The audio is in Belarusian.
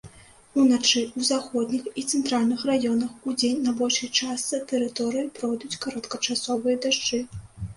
Уначы ў заходніх і цэнтральных раёнах, удзень на большай частцы тэрыторыі пройдуць кароткачасовыя дажджы.